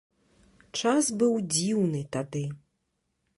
Час быў дзіўны тады.